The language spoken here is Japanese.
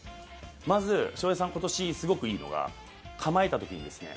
まず、翔平さん今年すごくいいのが構えた時にですね